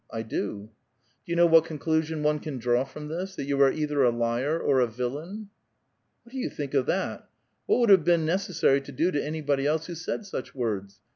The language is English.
'^ I do." Do you know what conclusion one can draw from this? — that yon are either a liar or a villain." What do you think of that? What would have been nec essary to do to anybody else who said such words